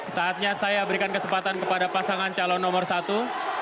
saatnya saya berikan kesempatan kepada pasangan calon nomor satu